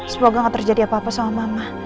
semoga gak terjadi apa apa sama mama